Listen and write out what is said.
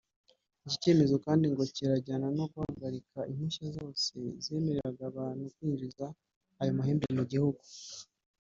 Iki cyemezo kandi ngo kirajyana no guhagarika impushya zose zemereraga abantu kwinjiza ayo mahembe mu gihugu